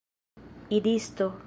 idisto